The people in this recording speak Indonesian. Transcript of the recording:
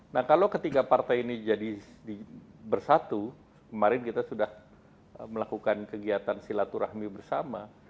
nah kalau ketiga partai ini jadi bersatu kemarin kita sudah melakukan kegiatan silaturahmi bersama